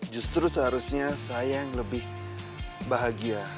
justru seharusnya saya yang lebih bahagia